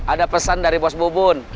ada pesan dari bos bubun